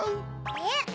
えっ？